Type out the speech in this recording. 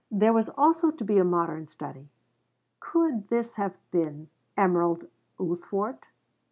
There was also to be a modern study: could this have been Emerald Uthwart?